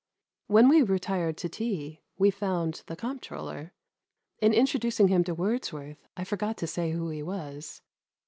When we retired to tea we found the comptrpller. In introducing him to Wordsworth I forgot to say who he was.